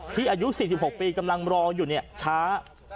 ที่อายุ๔๖ปีกำลังรออยู่เนี่ยช้า